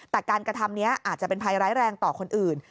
แต่การกระทำนี้อาจจะเป็นภัยร้ายแรงต่อคนอื่น